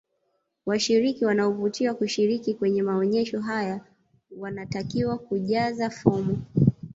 washiriki wanaovutiwa kushiriki kwenye maonyesho haya wanatakiwa kujaze fomu